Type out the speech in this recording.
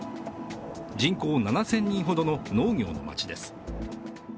人口７０００人ほどの農業の町です。